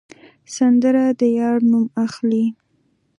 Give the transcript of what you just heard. سندره د یار نوم اخلي